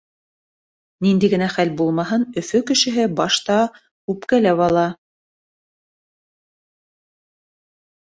Ниндәй генә хәл булмаһын, Өфө кешеһе башта үпкәләп ала.